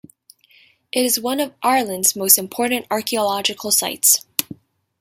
It is one of Ireland's most important archaeological sites.